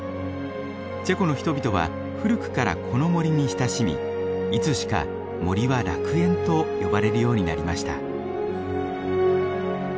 チェコの人々は古くからこの森に親しみいつしか森は「楽園」と呼ばれるようになりました。